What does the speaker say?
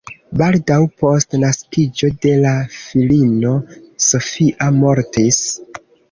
Baldaŭ post naskiĝo de la filino "Sofia" mortis.